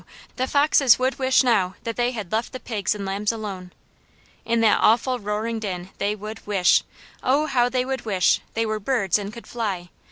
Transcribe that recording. the foxes would wish now that they had left the pigs and lambs alone. In that awful roaring din, they would wish, Oh how they would wish, they were birds and could fly!